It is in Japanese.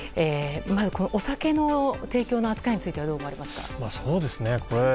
お酒の提供の扱いについてはどう思われますか？